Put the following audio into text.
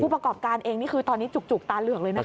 ประกอบการเองนี่คือตอนนี้จุกตาเหลือกเลยนะคะ